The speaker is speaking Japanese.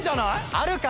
あるか？